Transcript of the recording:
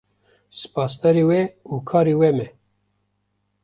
Spasdarê we û karên we me.